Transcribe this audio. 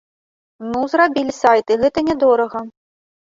Ну зрабілі сайты, гэта не дорага.